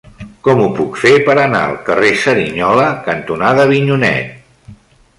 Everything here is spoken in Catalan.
Com ho puc fer per anar al carrer Cerignola cantonada Avinyonet?